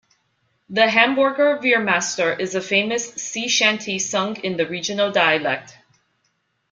The Hamborger Veermaster is a famous sea shanty sung in the regional dialect.